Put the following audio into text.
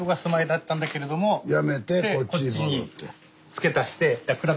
やめてこっちに戻って。